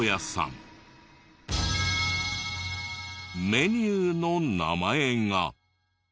メニューの名前が。